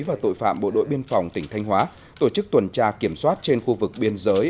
và tội phạm bộ đội biên phòng tỉnh thanh hóa tổ chức tuần tra kiểm soát trên khu vực biên giới